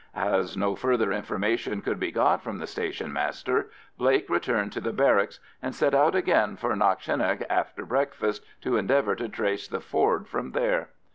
As no further information could be got from the station master, Blake returned to the barracks, and set out again for Knockshinnagh after breakfast, to endeavour to trace the Ford from there.